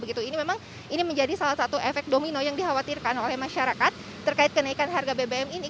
ini memang ini menjadi salah satu efek domino yang dikhawatirkan oleh masyarakat terkait kenaikan harga bbm ini